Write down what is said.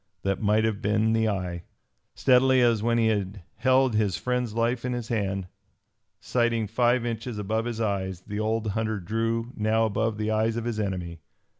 That might have been the eye. Steadily as when he had held his friend's life in his hand, sighting five inches above his eyes, the old hunter drew now above the eyes of his enemy.